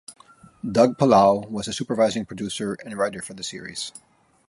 Doug Palau was a supervising producer and writer for the series.